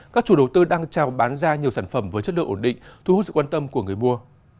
các chủ đầu tư đang trao bán ra nhiều sản phẩm với chất lượng ổn định thu hút sự quan tâm của người mua